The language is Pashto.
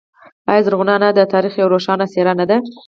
آیا زرغونه انا د تاریخ یوه روښانه څیره نه ده؟